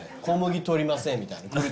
「小麦取りません」みたいな。